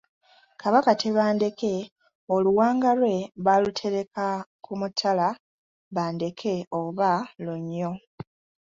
Kabaka Tebandeke oluwanga lwe baalutereka ku mutala Bandeke oba Lunnyo.